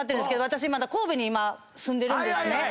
私神戸に今住んでるんですね。